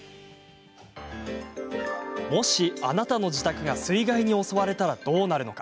もし、あなたの自宅が水害に襲われたらどうなるのか。